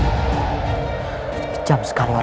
lakukan mereka sekali lagi